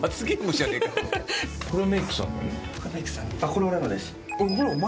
これ俺のです。